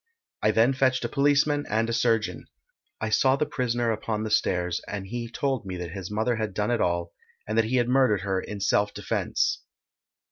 I then fetched a policeman and a surgeon. I saw the prisoner upon the stairs, and he told me that his mother had done it all, and that he had murdered her in self defence.